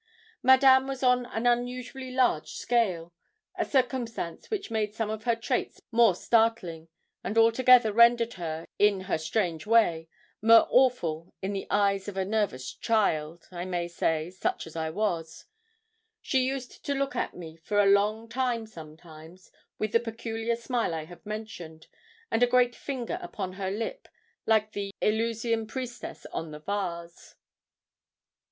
Madame was on an unusually large scale, a circumstance which made some of her traits more startling, and altogether rendered her, in her strange way, more awful in the eyes of a nervous child, I may say, such as I was. She used to look at me for a long time sometimes, with the peculiar smile I have mentioned, and a great finger upon her lip, like the Eleusinian priestess on the vase.